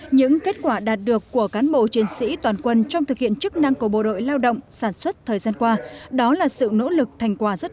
những kết quả đạt được của cán bộ chiến sĩ toàn quân trong thực hiện chức năng của bộ đội lao động sản xuất thời gian qua